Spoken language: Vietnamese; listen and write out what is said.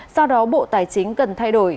do đó bộ tài chính cần thay đổi